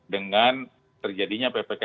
dengan terjadinya ppk